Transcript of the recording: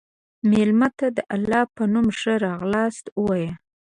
مېلمه ته د الله په نوم ښه راغلاست ووایه.